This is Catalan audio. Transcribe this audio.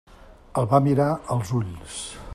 El va mirar als ulls.